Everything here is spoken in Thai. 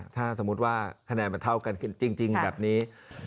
ถ้าสมมุติว่าคะแนนมันเท่ากันจริงแบบนี้